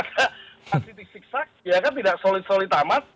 mas didi sik sak ya kan tidak solid solid amat